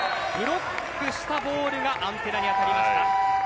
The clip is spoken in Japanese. ブロックしたボールがアンテナに当たりました。